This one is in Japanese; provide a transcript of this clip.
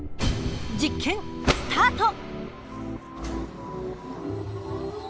実験スタート！